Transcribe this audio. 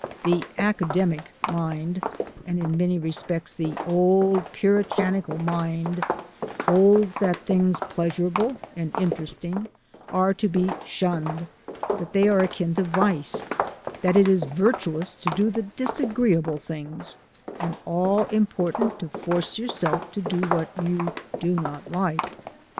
The academic mind — and in many respects the old puritanical mind — holds that things pleasurable and interesting are to be shunned; that they are akin to vice; that it is virtuous to do the disagree able things, and all important to force yourself to do what you do not like.